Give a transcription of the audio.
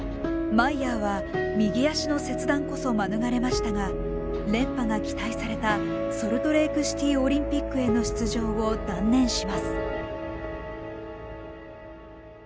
マイヤーは右脚の切断こそ免れましたが連覇が期待されたソルトレークシティーオリンピックへの出場を断念します。